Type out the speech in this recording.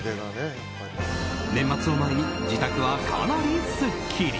年末を前に自宅はかなりスッキリ。